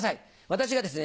私がですね